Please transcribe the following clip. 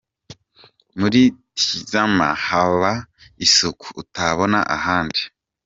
Muri Tizama haba isuku utabona ahandi.